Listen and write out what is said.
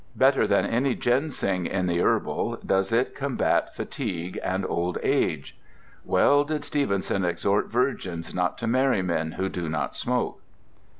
Better than any ginseng in the herbal, does it combat fatigue and old age. Well did Stevenson exhort virgins not to marry men who do not smoke.